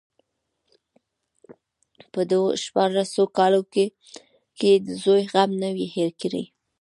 په دو شپاړسو کالو کې يې د زوى غم نه وي هېر کړى.